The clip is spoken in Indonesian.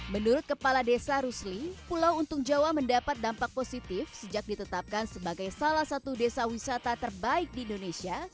menurut kepala desa rusli pulau untung jawa mendapat dampak positif sejak ditetapkan sebagai salah satu desa wisata terbaik di indonesia